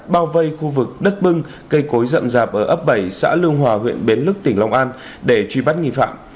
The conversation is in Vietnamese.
bao vây khu vực đất bưng cây cối rậm rạp ở ấp bảy xã lương hòa huyện bến lức tỉnh long an để truy bắt nghi phạm